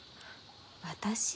私？